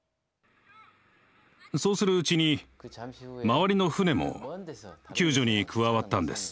そうするうちに周りの船も救助に加わったんです。